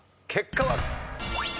結果は？